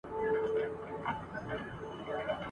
د دنیا هستي لولۍ بولی یارانو ..